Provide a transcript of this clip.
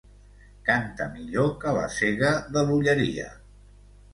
Cantar millor que la cega de l'Olleria.